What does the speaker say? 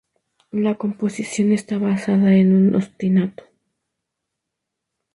La composición está basada en un ostinato.